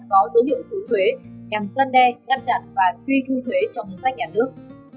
có dấu hiệu chứng thuế nhằm dân đe ngăn chặn và truy thu thuế trong hình sách nhà nước